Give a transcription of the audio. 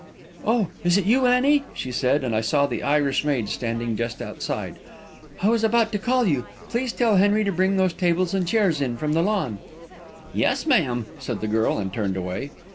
"Oh, is it you, Annie?" she said, and I saw the Irish maid standing just outside. "I was about to call you. Please tell Henry to bring those tables and chairs in from the lawn." "Yes, ma'am," said the girl, and turned away.